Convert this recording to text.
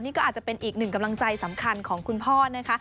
นี่ก็อาจจะเป็นอีกหนึ่งกำลังใจสำคัญของคุณพ่อนะคะ